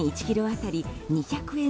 １ｋｇ当たり２００円